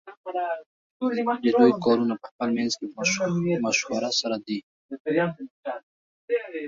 ددوی کارونه پخپل منځ کی په مشوره سره دی .